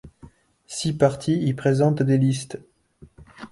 Six partis y présentent des listes.